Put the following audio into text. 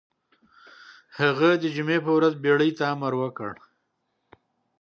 هغه د جمعې په ورځ بېړۍ ته امر وکړ.